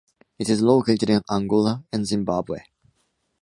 It is located in Angola and Zimbabwe.